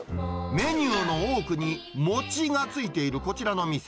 メニューの多くに餅がついているこちらの店。